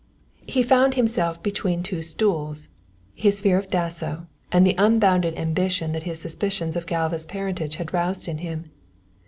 He found himself between two stools, his fear of Dasso and the unbounded ambition that his suspicions of Galva's parentage had roused in him.